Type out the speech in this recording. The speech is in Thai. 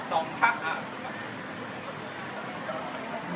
สวัสดีครับ